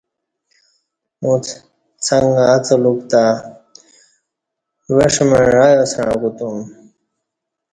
اوڅہ څݣ اڅلوک تہ وݜمع ایاسݩع کوتوم